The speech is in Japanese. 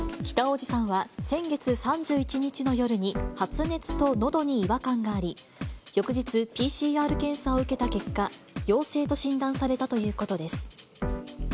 北大路さんは先月３１日の夜に発熱とのどに違和感があり、翌日、ＰＣＲ検査を受けた結果、陽性と診断されたということです。